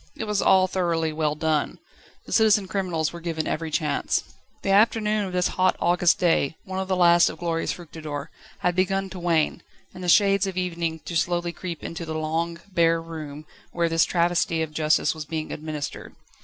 It was all thoroughly well done. The citizen criminals were given every chance. The afternoon of this hot August day, one of the last of glorious Fructidor, had begun to wane, and the shades of evening to slowly creep into the long, bare room where this travesty of justice was being administered.